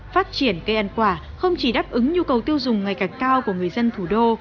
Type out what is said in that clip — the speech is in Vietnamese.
phát triển cây ăn quả không chỉ đáp ứng nhu cầu tiêu dùng ngày càng cao của người dân thủ đô